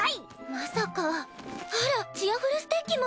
まさかあらチアふるステッキも！